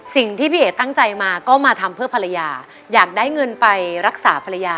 สิ่งที่พี่เอ๋ตั้งใจมาก็มาทำเพื่อภรรยาอยากได้เงินไปรักษาภรรยา